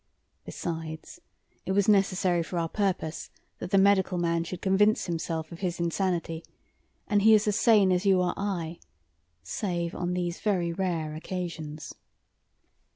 Besides, it was necessary for our purpose that the medical man should convince himself of his insanity; and he is sane as you or I, save on these very rare occasions.